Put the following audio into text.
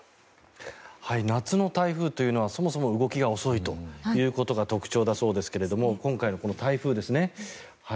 夏の台風というのはそもそも動きが遅いというのが特徴だそうですけれども今回のこの台風。